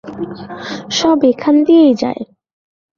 সব এখান দিয়েই যায়।